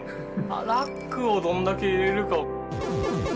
ラックをどんだけ入れるか。